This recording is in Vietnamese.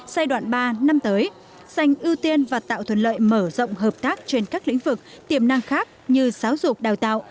giai đoạn ba năm tới dành ưu tiên và tạo thuận lợi mở rộng hợp tác trên các lĩnh vực tiềm năng khác như giáo dục đào tạo